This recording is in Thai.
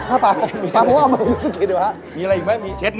อาหารการกิน